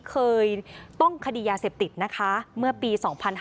เคยต้องคดียาเสพติดนะคะเมื่อปี๒๕๕๙